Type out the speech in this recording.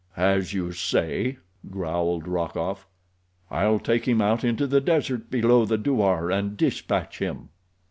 "As you say," growled Rokoff. "I'll take him out into the desert below the douar, and dispatch him."